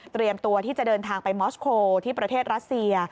ตัวที่จะเดินทางไปมอสโคลที่ประเทศรัสเซีย